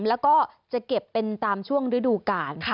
แล้วก็จะเก็บเป็นตามช่วงฤดูกาล